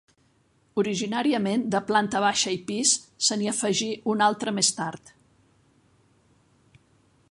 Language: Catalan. Originàriament de planta baixa i pis, se n'hi afegí un altre més tard.